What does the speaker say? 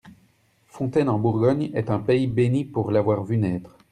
Fontaines en Bourgogne est un pays béni pour l'avoir vu naître.